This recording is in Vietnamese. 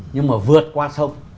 nhưng mà vượt qua sông